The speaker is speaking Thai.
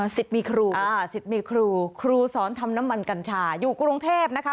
สิทธิ์มีครูอ่าสิบมีครูครูสอนทำน้ำมันกัญชาอยู่กรุงเทพนะคะ